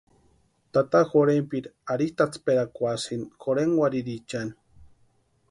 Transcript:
Tata jorhentpiri arhitʼatsperakwasïnti jorhenkwarhiriichani.